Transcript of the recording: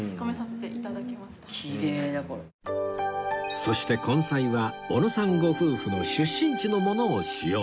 そして根菜はおのさんご夫婦の出身地のものを使用